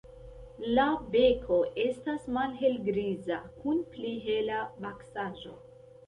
La beko estas malhelgriza kun pli hela vaksaĵo.